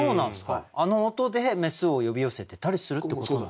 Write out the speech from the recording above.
あの音でメスを呼び寄せてたりするってことなんですか？